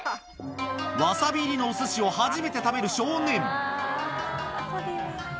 わさび入りのおすしを初めて食べる少年。